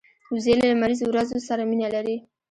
وزې له لمریز ورځو سره مینه لري